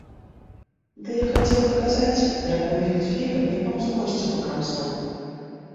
Ды я хацеў паказаць, як мой фельдфебель японцу косці пакрамсаў.